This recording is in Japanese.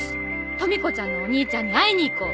とみ子ちゃんのお兄ちゃんに会いに行こう。